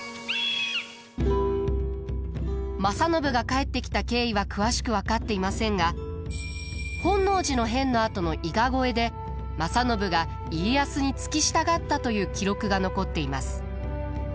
正信が帰ってきた経緯は詳しく分かっていませんが本能寺の変のあとの伊賀越えで正信が家康に付き従ったという記録が残っています。